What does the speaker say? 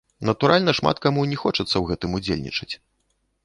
Натуральна шмат каму не хочацца ў гэтым удзельнічаць.